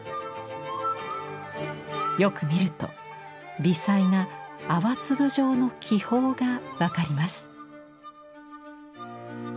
よく見ると微細な泡粒状の気泡が分かります。